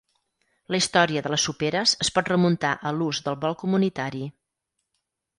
La història de les soperes es pot remuntar a l'ús del bol comunitari.